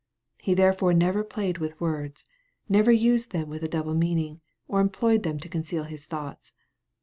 He therefore never played with words, never used them with a double meaning, or employed them to conceal his thoughts.